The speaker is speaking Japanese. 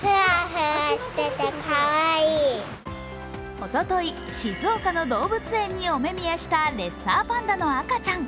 おととい、静岡の動物園にお目見えしたレッサーパンダの赤ちゃん。